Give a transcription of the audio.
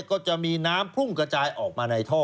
ก็จะมีน้ำพุ่งกระจายออกมาในท่อ